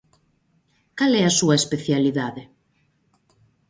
Cal é a súa especialidade?